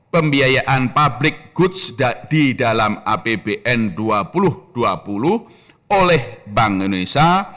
pembiayaan public goods di dalam apbn dua ribu dua puluh oleh bank indonesia